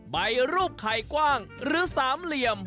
ใบรูปไข่กว้างหรือสามเหลี่ยม